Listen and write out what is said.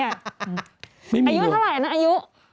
อายุเท่าไหร่นะอายุ